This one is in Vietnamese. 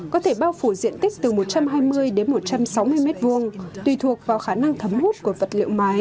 có thể bao phủ diện tích từ một trăm hai mươi đến một trăm sáu mươi m hai tùy thuộc vào khả năng thấm hút của vật liệu mái